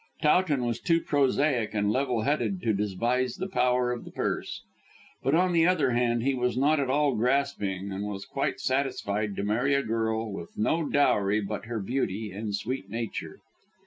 Towton was too prosaic and level headed to despise the power of the purse, but on the other hand he was not at all grasping, and was quite satisfied to marry a girl with no dowry but her beauty and sweet nature.